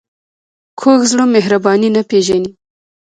کوږ زړه مهرباني نه پېژني